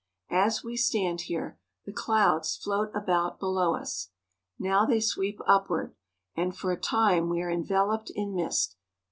As we stand here, the clouds float about below us. Now they sweep upward, and for a time we are enveloped in mist.